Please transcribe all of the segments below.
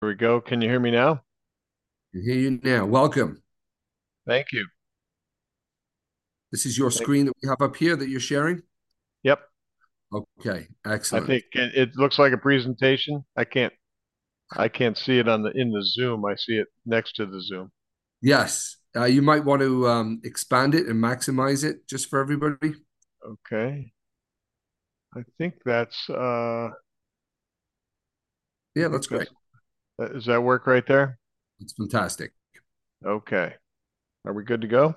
Here we go. Can you hear me now? I hear you now. Welcome. Thank you. This is your screen that we have up here that you're sharing? Yep. Okay. Excellent. I think it looks like a presentation. I can't see it in the Zoom. I see it next to the Zoom. Yes. You might want to expand it and maximize it just for everybody. Yeah, that's great. Does that work right there? It's fantastic. Okay. Are we good to go?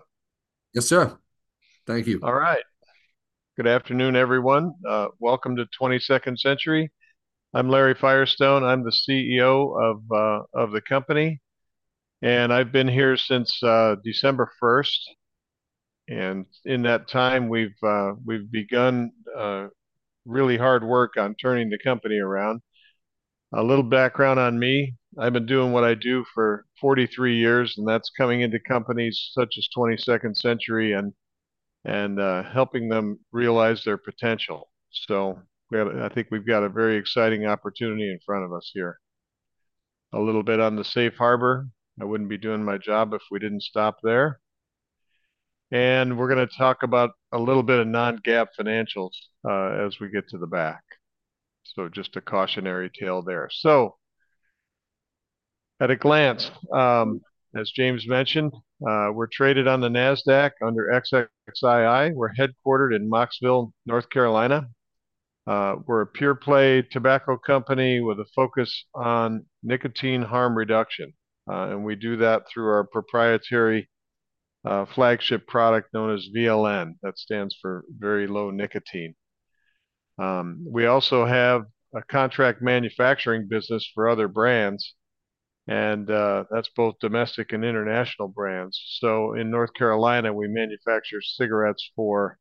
Yes, sir. Thank you. All right. Good afternoon, everyone. Welcome to the 22nd Century. I'm Larry Firestone. I'm the CEO of the company, and I've been here since December 1st. In that time, we've begun really hard work on turning the company around. A little background on me. I've been doing what I do for 43 years, and that's coming into companies such as 22nd Century and helping them realize their potential. So I think we've got a very exciting opportunity in front of us here. A little bit on the safe harbor. I wouldn't be doing my job if we didn't stop there. We're going to talk about a little bit of non-GAAP financials as we get to the back. Just a cautionary tale there. At a glance, as James mentioned, we're traded on the NASDAQ under XXII. We're headquartered in Mocksville, North Carolina. We're a pure-play tobacco company with a focus on nicotine harm reduction. We do that through our proprietary flagship product known as VLN. That stands for very low nicotine. We also have a contract manufacturing business for other brands, and that's both domestic and international brands. In North Carolina, we manufacture cigarettes for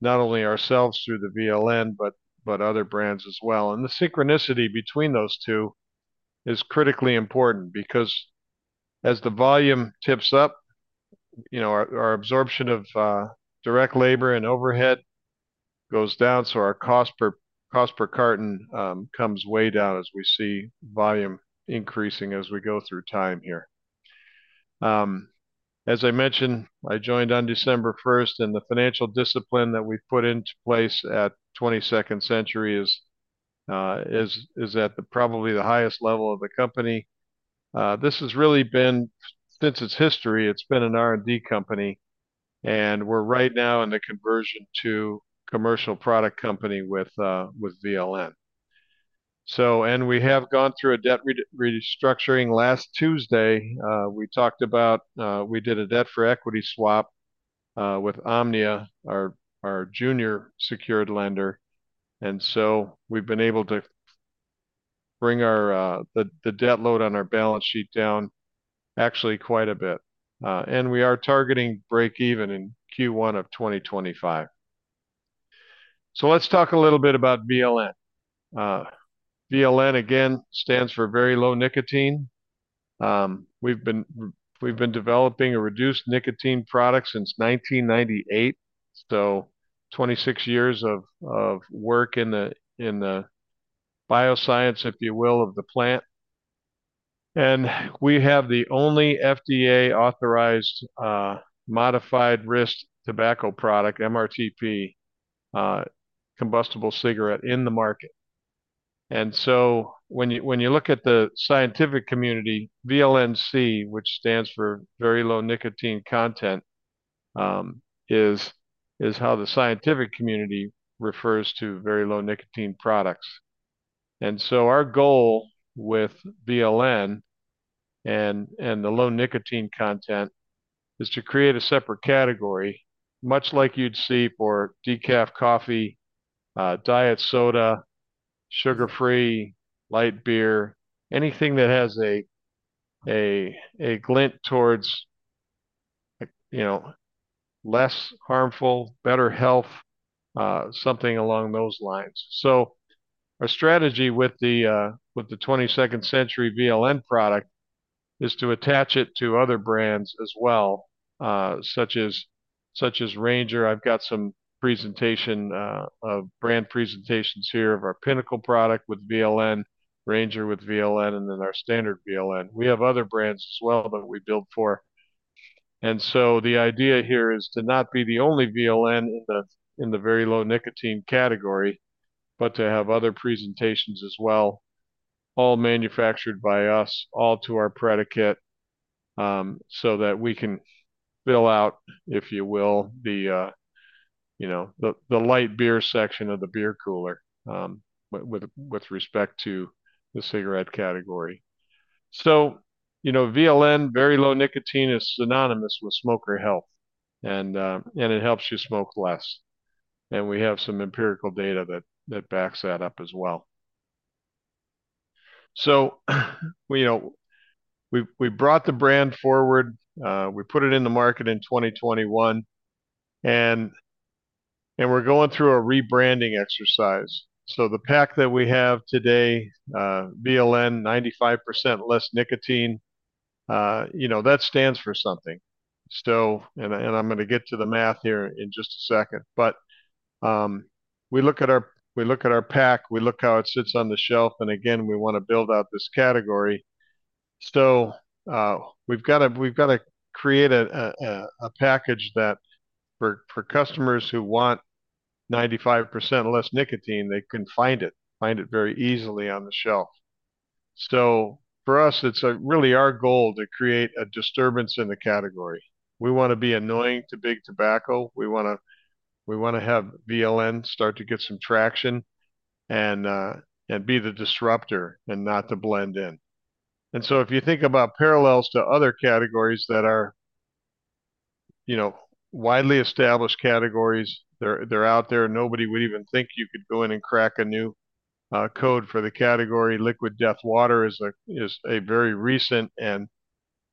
not only ourselves through the VLN but other brands as well. The synchronicity between those two is critically important because as the volume tips up, our absorption of direct labor and overhead goes down, so our cost per carton comes way down as we see volume increasing as we go through time here. As I mentioned, I joined on December 1st, and the financial discipline that we've put into place at 22nd Century is at probably the highest level of the company. This has really been since its history. It's been an R&D company, and we're right now in the conversion to commercial product company with VLN. And we have gone through a debt restructuring last Tuesday. We did a debt-for-equity swap with Omnia, our junior secured lender. And so we've been able to bring the debt load on our balance sheet down actually quite a bit. And we are targeting break-even in Q1 of 2025. So let's talk a little bit about VLN. VLN, again, stands for very low nicotine. We've been developing reduced nicotine products since 1998, so 26 years of work in the bioscience, if you will, of the plant. And we have the only FDA-authorized modified risk tobacco product, MRTP, combustible cigarette, in the market. And so when you look at the scientific community, VLNC, which stands for very low nicotine content, is how the scientific community refers to very low nicotine products. And so our goal with VLN and the low nicotine content is to create a separate category, much like you'd see for decaf coffee, diet soda, sugar-free, light beer, anything that has a hint towards less harmful, better health, something along those lines. So our strategy with the 22nd Century VLN product is to attach it to other brands as well, such as Ranger. I've got some brand presentations here of our Pinnacle product with VLN, Ranger with VLN, and then our standard VLN. We have other brands as well that we build for. And so the idea here is to not be the only VLN in the very low nicotine category, but to have other presentations as well, all manufactured by us, all to our predicate so that we can fill out, if you will, the light beer section of the beer cooler with respect to the cigarette category. So VLN, very low nicotine, is synonymous with smoker health, and it helps you smoke less. And we have some empirical data that backs that up as well. So we brought the brand forward. We put it in the market in 2021, and we're going through a rebranding exercise. So the pack that we have today, VLN, 95% less nicotine, that stands for something. And I'm going to get to the math here in just a second. But we look at our pack. We look how it sits on the shelf. And again, we want to build out this category. So we've got to create a package that for customers who want 95% less nicotine, they can find it, find it very easily on the shelf. So for us, it's really our goal to create a disturbance in the category. We want to be annoying to Big Tobacco. We want to have VLN start to get some traction and be the disruptor and not the blend-in. So if you think about parallels to other categories that are widely established categories, they're out there. Nobody would even think you could go in and crack a new code for the category. Liquid Death water is a very recent and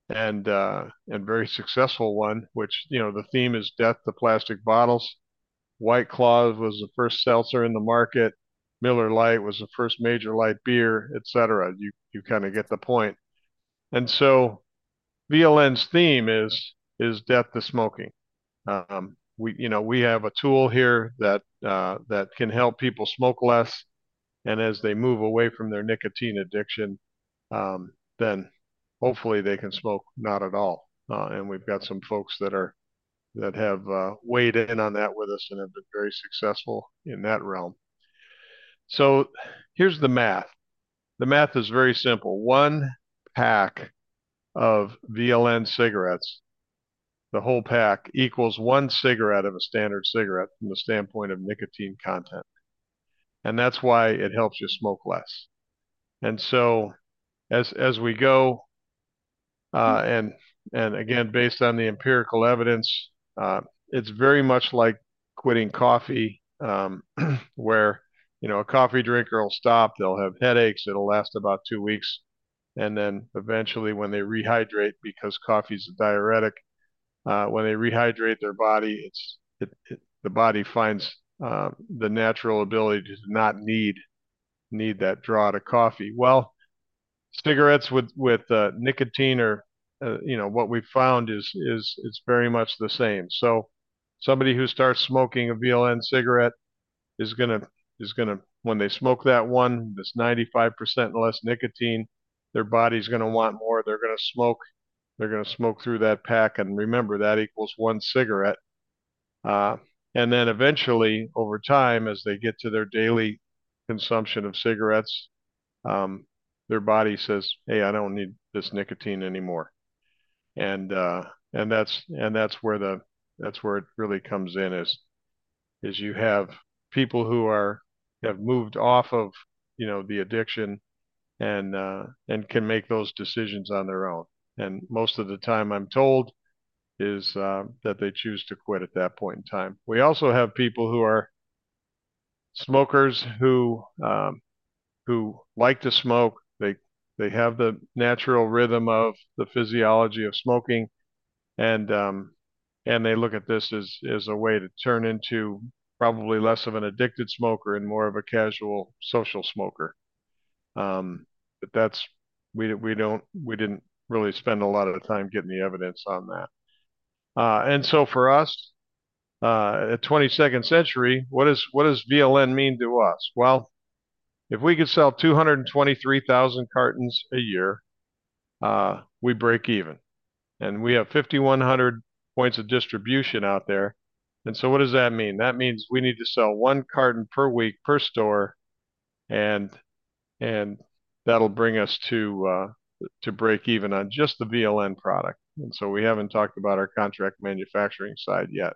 very successful one, which the theme is death, the plastic bottles. White Claw was the first seltzer in the market. Miller Lite was the first major light beer, etc. You kind of get the point. So VLN's theme is death to smoking. We have a tool here that can help people smoke less. And as they move away from their nicotine addiction, then hopefully, they can smoke not at all. We've got some folks that have weighed in on that with us and have been very successful in that realm. So here's the math. The math is very simple. 1 pack of VLN cigarettes, the whole pack, equals 1 cigarette of a standard cigarette from the standpoint of nicotine content. And that's why it helps you smoke less. And so as we go and again, based on the empirical evidence, it's very much like quitting coffee, where a coffee drinker will stop. They'll have headaches. It'll last about 2 weeks. And then eventually, when they rehydrate because coffee's a diuretic, when they rehydrate their body, the body finds the natural ability to not need that draw to coffee. Well, cigarettes with nicotine or what we've found is very much the same. So somebody who starts smoking a VLN cigarette is going to, when they smoke that one, this 95% less nicotine, their body's going to want more. They're going to smoke. They're going to smoke through that pack. And remember, that equals one cigarette. And then eventually, over time, as they get to their daily consumption of cigarettes, their body says, "Hey, I don't need this nicotine anymore." And that's where it really comes in, you have people who have moved off of the addiction and can make those decisions on their own. And most of the time, I'm told, they choose to quit at that point in time. We also have people who are smokers who like to smoke. They have the natural rhythm of the physiology of smoking. They look at this as a way to turn into probably less of an addicted smoker and more of a casual social smoker. But we didn't really spend a lot of time getting the evidence on that. So for us, at 22nd Century, what does VLN mean to us? Well, if we could sell 223,000 cartons a year, we break even. And we have 5,100 points of distribution out there. So what does that mean? That means we need to sell one carton per week per store, and that'll bring us to break even on just the VLN product. So we haven't talked about our contract manufacturing side yet.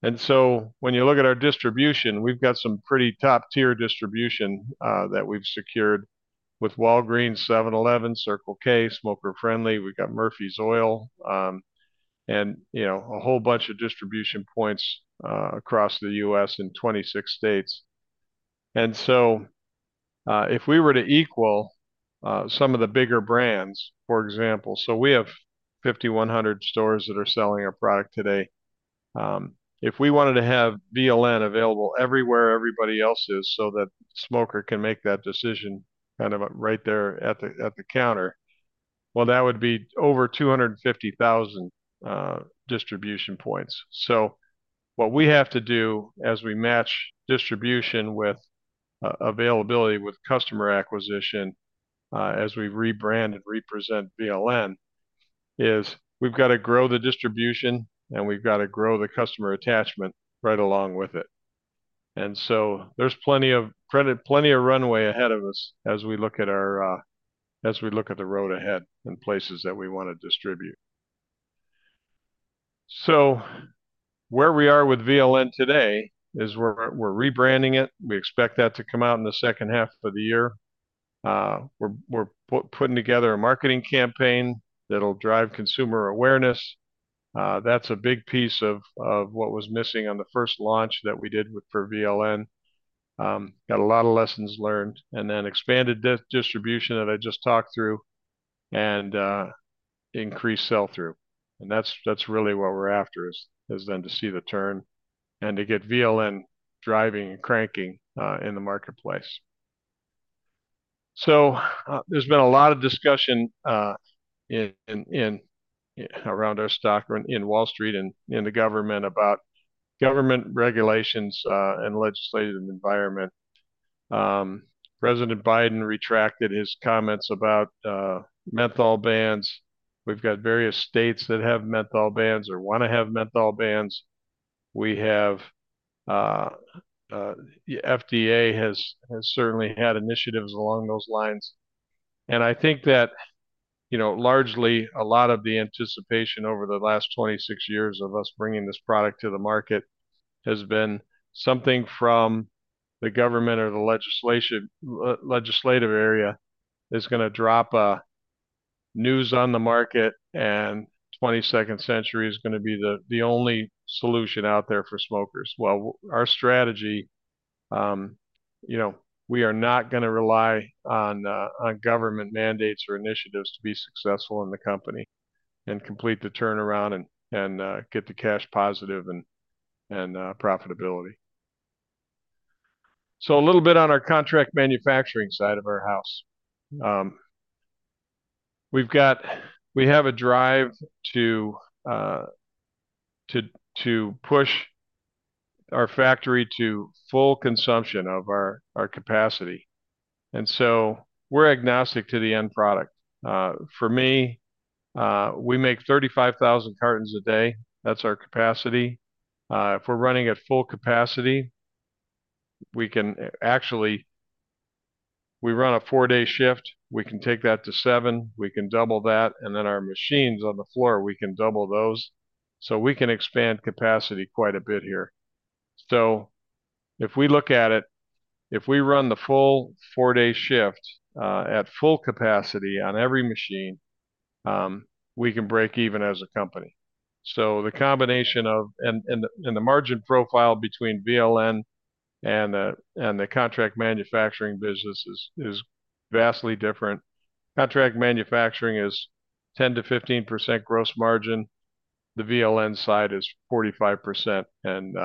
When you look at our distribution, we've got some pretty top-tier distribution that we've secured with Walgreens, 7-Eleven, Circle K, Smoker Friendly. We've got Murphy's Oil and a whole bunch of distribution points across the U.S. in 26 states. And so if we were to equal some of the bigger brands, for example so we have 5,100 stores that are selling our product today. If we wanted to have VLN available everywhere everybody else is so that smoker can make that decision kind of right there at the counter, well, that would be over 250,000 distribution points. So what we have to do as we match distribution with availability with customer acquisition as we rebrand and represent VLN is we've got to grow the distribution, and we've got to grow the customer attachment right along with it. And so there's plenty of runway ahead of us as we look at the road ahead and places that we want to distribute. So where we are with VLN today is we're rebranding it. We expect that to come out in the second half of the year. We're putting together a marketing campaign that'll drive consumer awareness. That's a big piece of what was missing on the first launch that we did for VLN. Got a lot of lessons learned and then expanded distribution that I just talked through and increased sell-through. And that's really what we're after, is then to see the turn and to get VLN driving and cranking in the marketplace. So there's been a lot of discussion around our stock in Wall Street and in the government about government regulations and legislative environment. President Biden retracted his comments about menthol bans. We've got various states that have menthol bans or want to have menthol bans. The FDA has certainly had initiatives along those lines. I think that largely, a lot of the anticipation over the last 26 years of us bringing this product to the market has been something from the government or the legislative area is going to drop news on the market, and 22nd Century is going to be the only solution out there for smokers. Well, our strategy, we are not going to rely on government mandates or initiatives to be successful in the company and complete the turnaround and get the cash positive and profitability. So a little bit on our contract manufacturing side of our house. We have a drive to push our factory to full consumption of our capacity. And so we're agnostic to the end product. For me, we make 35,000 cartons a day. That's our capacity. If we're running at full capacity, we can actually run a four-day shift. We can take that to 7. We can double that. And then our machines on the floor, we can double those. So we can expand capacity quite a bit here. So if we look at it, if we run the full 4-day shift at full capacity on every machine, we can break even as a company. So the combination of and the margin profile between VLN and the contract manufacturing business is vastly different. Contract manufacturing is 10%-15% gross margin. The VLN side is 45% and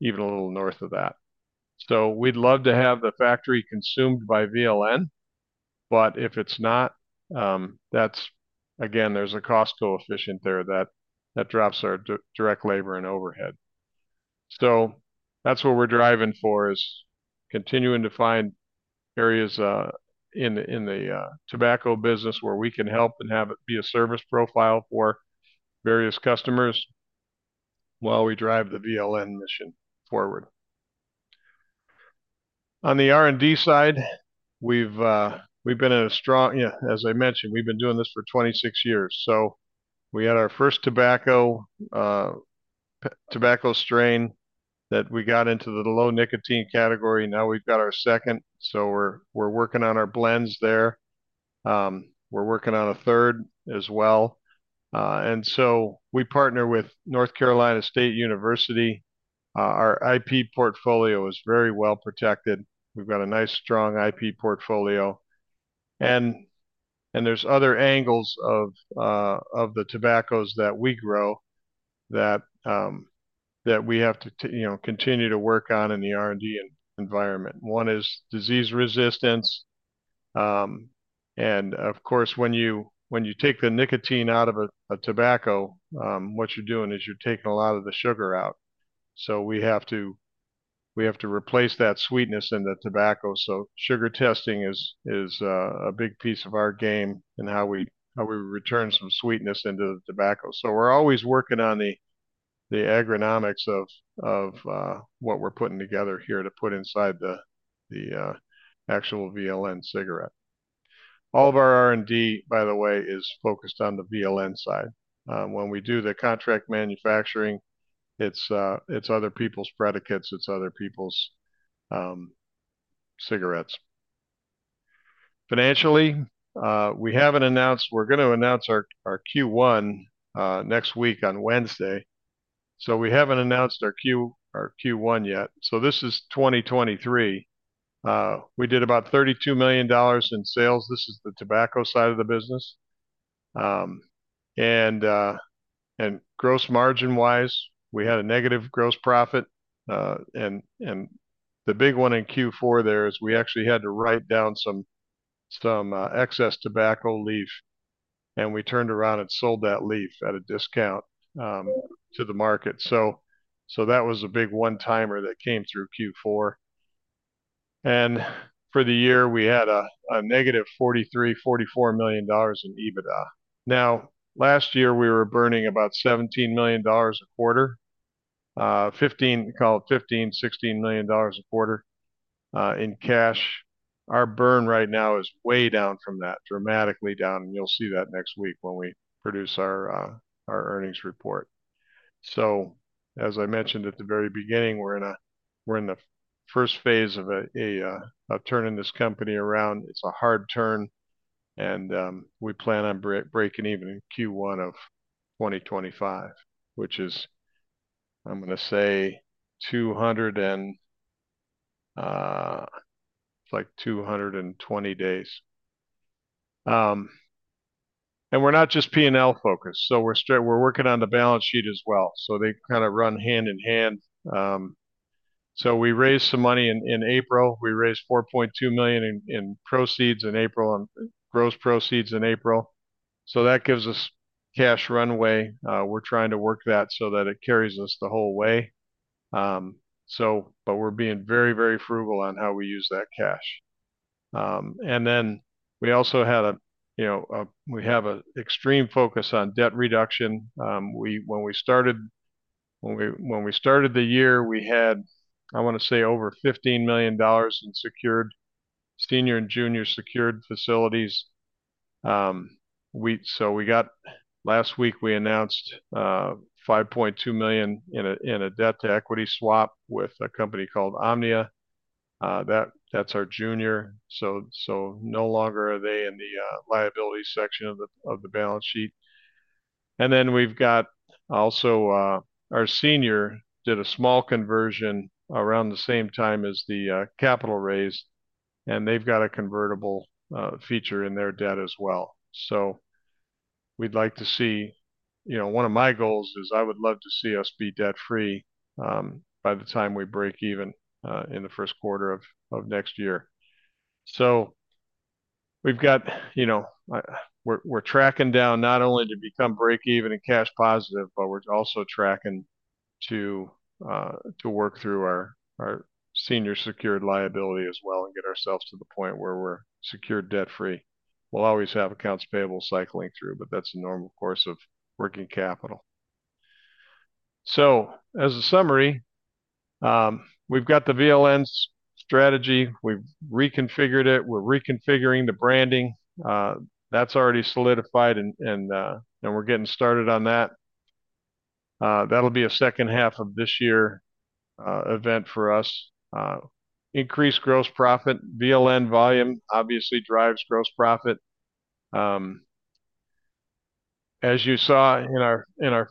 even a little north of that. So we'd love to have the factory consumed by VLN. But if it's not, again, there's a cost coefficient there that drops our direct labor and overhead. So that's what we're driving for, is continuing to find areas in the tobacco business where we can help and have it be a service profile for various customers while we drive the VLN mission forward. On the R&D side, we've been in a strong year, as I mentioned, we've been doing this for 26 years. So we had our first tobacco strain that we got into the low nicotine category. Now we've got our second. So we're working on our blends there. We're working on a third as well. And so we partner with North Carolina State University. Our IP portfolio is very well protected. We've got a nice, strong IP portfolio. And there's other angles of the tobaccos that we grow that we have to continue to work on in the R&D environment. One is disease resistance. And of course, when you take the nicotine out of a tobacco, what you're doing is you're taking a lot of the sugar out. So we have to replace that sweetness in the tobacco. So sugar testing is a big piece of our game in how we return some sweetness into the tobacco. So we're always working on the agronomics of what we're putting together here to put inside the actual VLN cigarette. All of our R&D, by the way, is focused on the VLN side. When we do the contract manufacturing, it's other people's predicates. It's other people's cigarettes. Financially, we haven't announced we're going to announce our Q1 next week on Wednesday. So we haven't announced our Q1 yet. So this is 2023. We did about $32 million in sales. This is the tobacco side of the business. And gross margin-wise, we had a negative gross profit. The big one in Q4 is we actually had to write down some excess tobacco leaf. We turned around and sold that leaf at a discount to the market. So that was a big one-timer that came through Q4. For the year, we had a negative $43-$44 million in EBITDA. Now, last year, we were burning about $17 million a quarter, call it $15-$16 million a quarter in cash. Our burn right now is way down from that, dramatically down. You'll see that next week when we produce our earnings report. So as I mentioned at the very beginning, we're in the first phase of turning this company around. It's a hard turn. We plan on breaking even in Q1 of 2025, which is, I'm going to say, 200 and it's like 220 days. We're not just P&L focused. So we're working on the balance sheet as well. So they kind of run hand in hand. So we raised some money in April. We raised $4.2 million in proceeds in April, gross proceeds in April. So that gives us cash runway. We're trying to work that so that it carries us the whole way. But we're being very, very frugal on how we use that cash. And then we also we have an extreme focus on debt reduction. When we started the year, we had, I want to say, over $15 million in senior and junior secured facilities. So last week, we announced $5.2 million in a debt to equity swap with a company called Omnia. That's our junior. So no longer are they in the liability section of the balance sheet. And then we've got also our senior did a small conversion around the same time as the capital raise. And they've got a convertible feature in their debt as well. So one of my goals is I would love to see us be debt-free by the time we break even in the first quarter of next year. So we've got we're tracking down not only to become break-even and cash positive, but we're also tracking to work through our senior secured liability as well and get ourselves to the point where we're secured debt-free. We'll always have accounts payable cycling through, but that's a normal course of working capital. So as a summary, we've got the VLN strategy. We've reconfigured it. We're reconfiguring the branding. That's already solidified, and we're getting started on that. That'll be a second half of this year event for us. Increased gross profit. VLN volume, obviously, drives gross profit. As you saw in our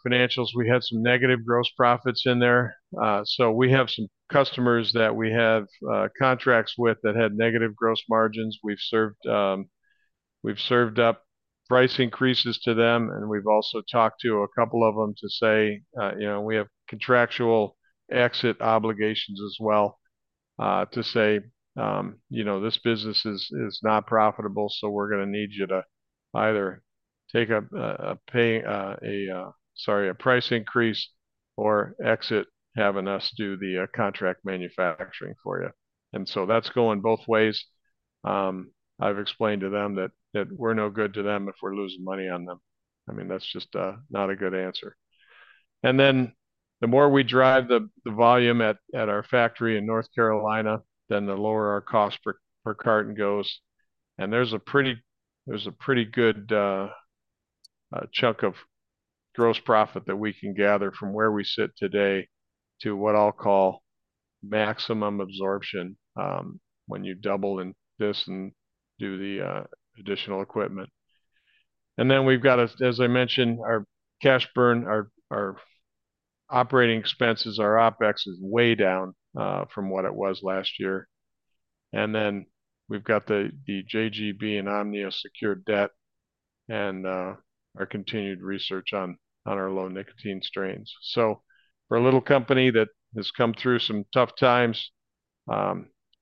financials, we had some negative gross profits in there. So we have some customers that we have contracts with that had negative gross margins. We've served up price increases to them, and we've also talked to a couple of them to say we have contractual exit obligations as well to say, "This business is not profitable, so we're going to need you to either take a pay sorry, a price increase or exit, having us do the contract manufacturing for you." And so that's going both ways. I've explained to them that we're no good to them if we're losing money on them. I mean, that's just not a good answer. And then the more we drive the volume at our factory in North Carolina, then the lower our cost per carton goes. There's a pretty good chunk of gross profit that we can gather from where we sit today to what I'll call maximum absorption when you double in this and do the additional equipment. And then we've got, as I mentioned, our cash burn, our operating expenses, our OpEx is way down from what it was last year. And then we've got the JGB and Omnia secured debt and our continued research on our low nicotine strains. So for a little company that has come through some tough times,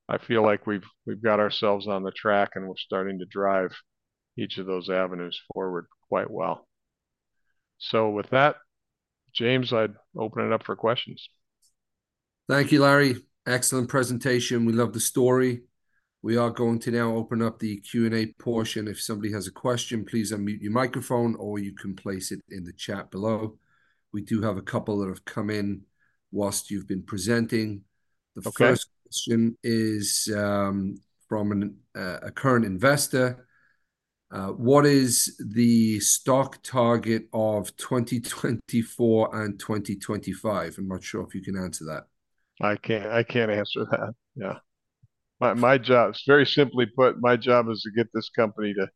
I feel like we've got ourselves on the track, and we're starting to drive each of those avenues forward quite well. So with that, James, I'd open it up for questions. Thank you, Larry. Excellent presentation. We love the story. We are going to now open up the Q&A portion. If somebody has a question, please unmute your microphone, or you can place it in the chat below. We do have a couple that have come in while you've been presenting. The first question is from a current investor. What is the stock target of 2024 and 2025? I'm not sure if you can answer that. I can't answer that. Yeah. Very simply put, my job is to get this company to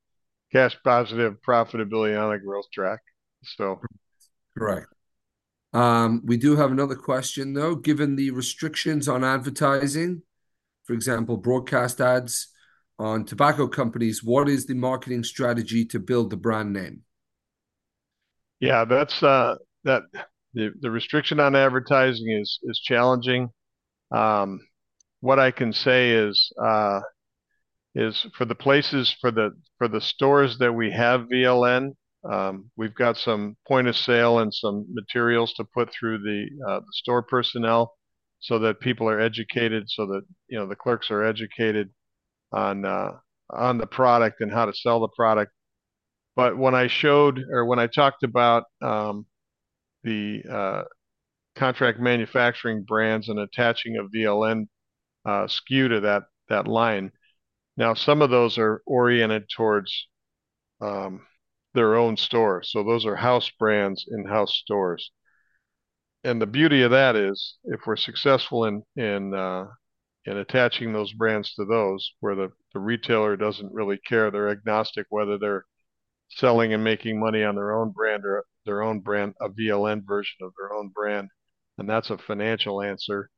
cash positive, profitability on a growth track, so. Correct. We do have another question, though. Given the restrictions on advertising, for example, broadcast ads on tobacco companies, what is the marketing strategy to build the brand name? Yeah, the restriction on advertising is challenging. What I can say is for the places, for the stores that we have VLN, we've got some point of sale and some materials to put through the store personnel so that people are educated, so that the clerks are educated on the product and how to sell the product. But when I showed or when I talked about the contract manufacturing brands and attaching a VLN SKU to that line, now, some of those are oriented towards their own store. So those are house brands in house stores. And the beauty of that is if we're successful in attaching those brands to those where the retailer doesn't really care, they're agnostic whether they're selling and making money on their own brand or their own brand, a VLN version of their own brand, and that's a financial answer.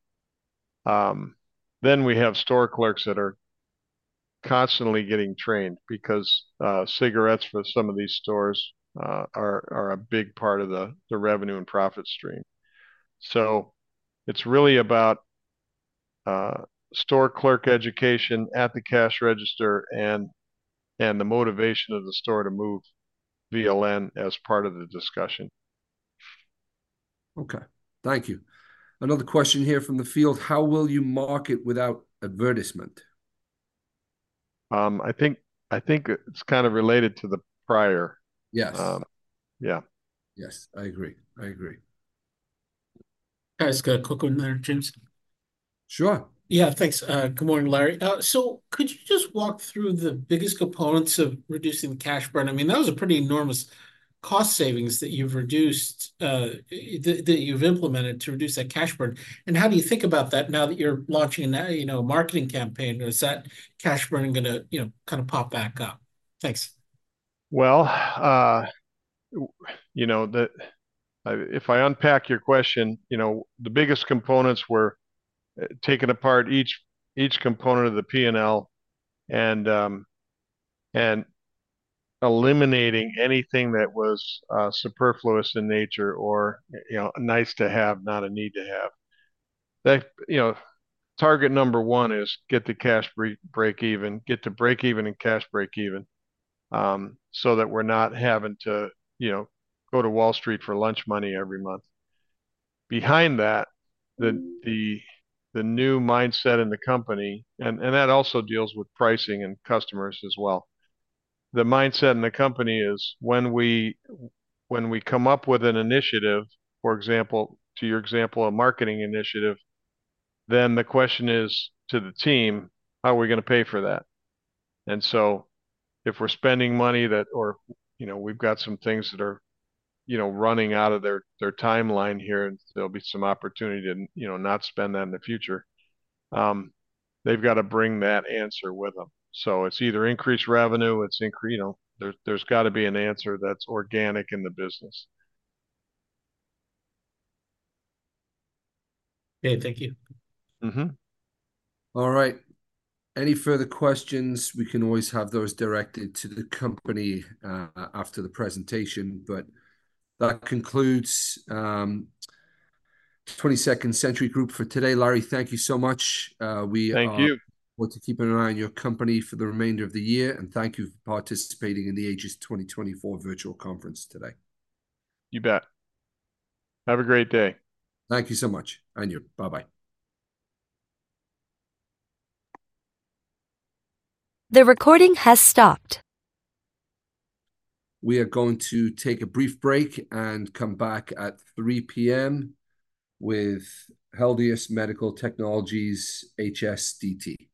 Then we have store clerks that are constantly getting trained because cigarettes for some of these stores are a big part of the revenue and profit stream. So it's really about store clerk education at the cash register and the motivation of the store to move VLN as part of the discussion. Okay. Thank you. Another question here from the field. How will you market without advertisement? I think it's kind of related to the prior. Yeah. Yes. I agree. I agree. Can I just go quick one there, James? Sure. Yeah. Thanks. Good morning, Larry. So could you just walk through the biggest components of reducing the cash burn? I mean, that was a pretty enormous cost savings that you've implemented to reduce that cash burn. And how do you think about that now that you're launching a marketing campaign? Is that cash burning going to kind of pop back up? Thanks. Well, if I unpack your question, the biggest components were taking apart each component of the P&L and eliminating anything that was superfluous in nature or nice to have, not a need to have. Target number one is get to cash break-even, get to break-even and cash break-even so that we're not having to go to Wall Street for lunch money every month. Behind that, the new mindset in the company and that also deals with pricing and customers as well. The mindset in the company is when we come up with an initiative, for example, to your example, a marketing initiative, then the question is to the team, "How are we going to pay for that?" And so if we're spending money that or we've got some things that are running out of their timeline here, and there'll be some opportunity to not spend that in the future, they've got to bring that answer with them. So it's either increased revenue. There's got to be an answer that's organic in the business. Okay. Thank you. All right. Any further questions? We can always have those directed to the company after the presentation. But that concludes 22nd Century Group for today. Larry, thank you so much. Thank you. We want to keep an eye on your company for the remainder of the year. Thank you for participating in the Aegis 2024 Virtual Conference today. You bet. Have a great day. Thank you so much. Bye-bye. The recording has stopped. We are going to take a brief break and come back at 3:00 P.M. with Helius Medical Technologies, HSDT.